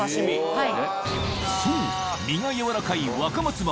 はい。